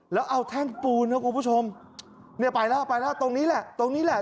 แล้วเอาแท่งปูนครับคุณผู้ชมเนี่ยไปแล้วไปแล้วตรงนี้แหละตรงนี้แหละ